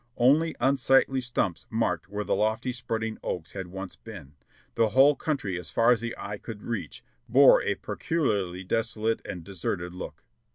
Only unsightly stumps marked where the lofty, spreading oaks had once been. The whole country as far as the eye could reach bore a peculiarly desolate and deserted look.